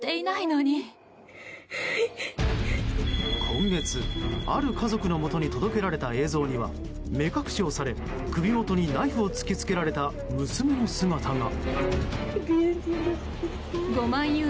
今月、ある家族のもとに届けられた映像には目隠しをされ、首元にナイフを突きつけられた娘の姿が。